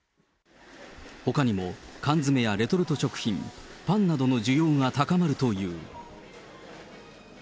ほかにも缶詰やレトルト食品、パンなどの需要が高まるという。